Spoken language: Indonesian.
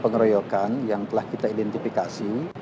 pengeroyokan yang telah kita identifikasi